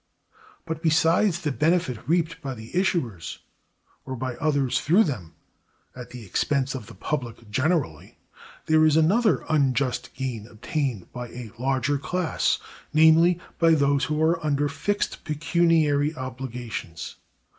But besides the benefit reaped by the issuers, or by others through them, at the expense of the public generally, there is another unjust gain obtained by a larger class—namely, by those who are under fixed pecuniary obligations.